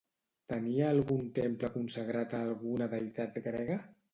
Tenia algun temple consagrat a alguna deïtat grega?